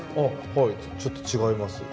はいちょっと違います。